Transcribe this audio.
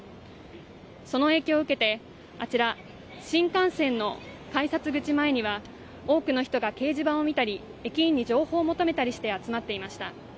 その影響を受けて、あちら、新幹線の改札口前には多くの人が掲示板を見たり駅員に情報を求めたりして集まっていました。